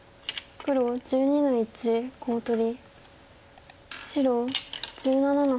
黒１２の一コウ取り。